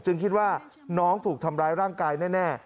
คิดว่าน้องถูกทำร้ายร่างกายแน่